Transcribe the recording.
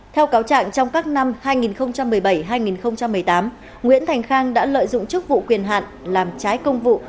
theo cáo trạng trong các năm hai nghìn một mươi bảy hai nghìn một mươi tám nguyễn thành khang đã lợi dụng chức vụ quyền hạn làm trái công vụ